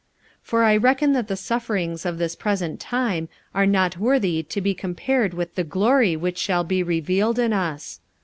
45:008:018 For I reckon that the sufferings of this present time are not worthy to be compared with the glory which shall be revealed in us.